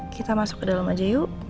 kita masuk ke dalam aja yuk